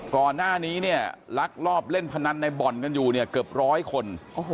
ก่อนหน้านี้เนี่ยลักลอบเล่นพนันในบ่อนกันอยู่เนี่ยเกือบร้อยคน